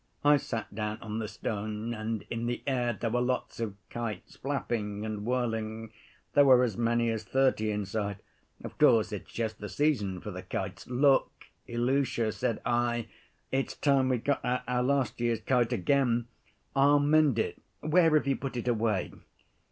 I sat down on the stone. And in the air there were lots of kites flapping and whirling. There were as many as thirty in sight. Of course, it's just the season for the kites. 'Look, Ilusha,' said I, 'it's time we got out our last year's kite again. I'll mend it, where have you put it away?